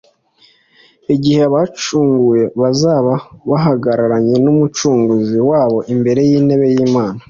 igihe abacunguwe bazaba bahagararanye n'Umucunguzi wabo imbere y'intebe y'Imana.